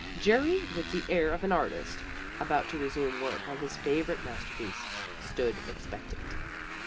Jerry, with the air of an artist about to resume work on his favorite masterpiece, stood expectant.